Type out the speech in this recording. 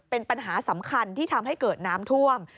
เป็นปัญหาสำคัญที่ทำให้เกิดน้ำท่วม